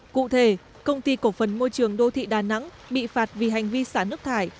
cụ thể công ty cổ phần môi trường đô thị đà nẵng bị phạt vì hành vi xả nước thải